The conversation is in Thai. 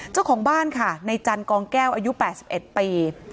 เจ้าของบ้านค่ะในจันกองแก้วอายุ๘๑ปี